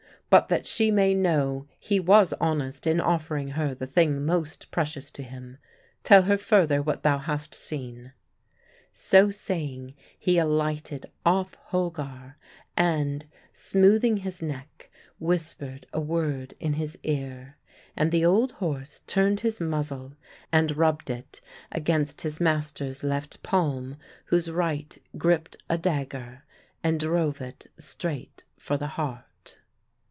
But that she may know he was honest in offering her the thing most precious to him, tell her further what thou hast seen." So saying, he alighted off Holgar, and, smoothing his neck, whispered a word in his ear. And the old horse turned his muzzle and rubbed it against his master's left palm, whose right gripped a dagger and drove it straight for the heart.